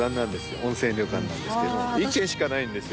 温泉旅館なんですけど一軒しかないんですよ